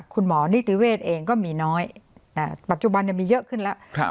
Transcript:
คุณหมอนิติเวทเองก็มีน้อยน่ะปัจจุบันเนี้ยมีเยอะขึ้นแล้วครับ